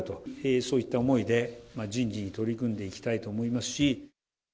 そういった思いで人事に取り組んでいきたいと思いますし。